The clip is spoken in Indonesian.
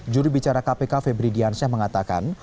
juri bicara kpk febri diansyah mengatakan